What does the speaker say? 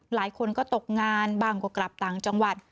หลายคนก็ตกงานบ้างก็กลับต่างจังหวัด